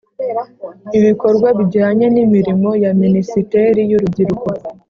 Ibikorwa bijyanye n’ imirimo ya minisiteri y’ urubyiruko